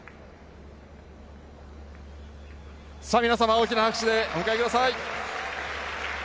大きな拍手でお迎えください。